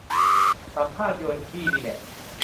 สัมภาษณ์โยนขี้นี่แหละ